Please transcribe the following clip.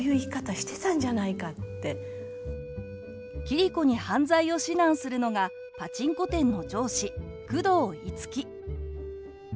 桐子に犯罪を指南するのがパチンコ店の上司久遠樹。